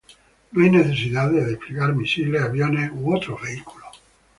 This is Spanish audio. No hay necesidad de desplegar misiles, aviones u otros vehículos.